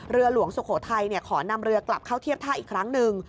หลวงสุโขทัยขอนำเรือกลับเข้าเทียบท่าอีกครั้งหนึ่ง